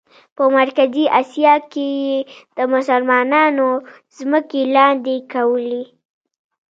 په مرکزي آسیا کې یې د مسلمانانو ځمکې لاندې کولې.